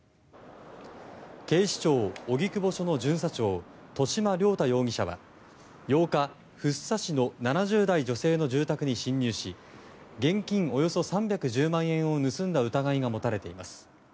警視庁荻窪署の巡査長戸嶋亮太容疑者は８日、福生市の７０代女性の住宅に侵入し現金およそ３１０万円を盗んだ疑いが持たれています。